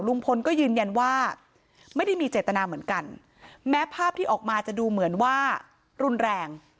ลุงพลก็ยืนยันว่าไม่ได้มีเจตนาเหมือนกันแม้ภาพที่ออกมาจะดูเหมือนว่ารุนแรง